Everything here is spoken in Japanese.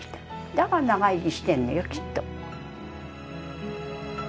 だから長生きしてんのよきっと。